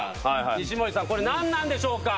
西森さんこれ何でしょうか？